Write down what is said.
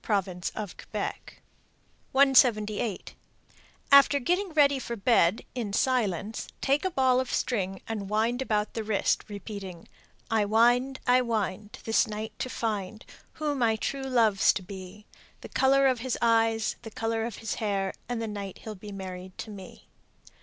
Province of Quebec. 178. After getting ready for bed in silence, take a ball of string and wind about the wrist, repeating, I wind, I wind, This night to find, Who my true love's to be; The color of his eyes, The color of his hair, And the night he'll be married to me.